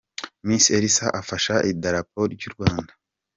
Miss Elsa afashe idarapo ry’u Rwanda.